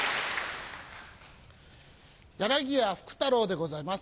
柳家福多楼でございます。